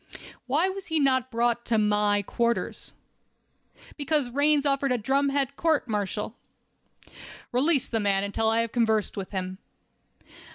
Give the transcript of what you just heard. "Why was he not brought to my quarters?" "Because Raines ordered a drumhead court martial." "Release the man until I have conversed with him."